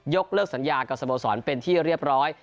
เลิกสัญญากับสโมสรเป็นที่เรียบร้อย